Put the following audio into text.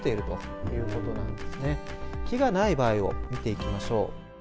木がない場合を見ていきましょう。